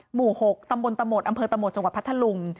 หมู่๖ตำบลตะหมดอำเภอตะหมดจังหวัดพัทธลุง